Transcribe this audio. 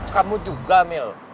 kamu juga jamil